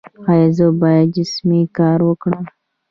ایا زه باید جسمي کار وکړم؟